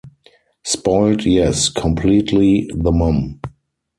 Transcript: Spoiled yes - completely the mom!